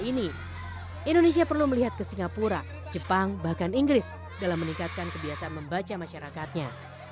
ini indonesia perlu melihat ke singapura jepang bahkan inggris dalam meningkatkan kebiasaan membaca masyarakatnya